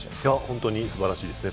本当にすばらしいですね。